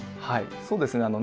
はいそうですね